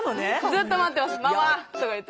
ずっと待ってます。